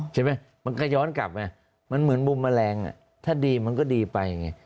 มันก็ย้อนกลับไงมันเหมือนมุมแมลงถ้าดีมันก็ดีไปไง